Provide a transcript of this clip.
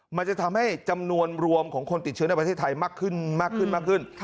มันจะทำให้จำนวนรวมของคนติดเชื้อในประเทศไทยมากขึ้นมากขึ้น